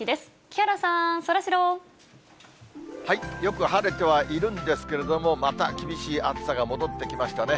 木原さん、そらジロー。よく晴れてはいるんですけれども、また厳しい暑さが戻ってきましたね。